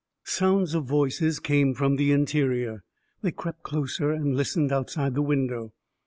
Sounds of voices came from the interior. They crept closer, and listened outside the window.